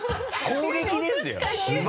攻撃ですよ。